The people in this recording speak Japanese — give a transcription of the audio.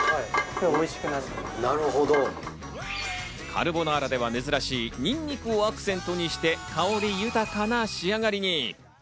カルボナーラでは珍しいニンニクをアクセントにして香り豊かな仕上がりに。